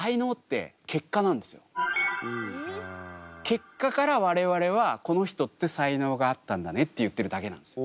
結果から我々はこの人って才能があったんだねって言ってるだけなんですよ。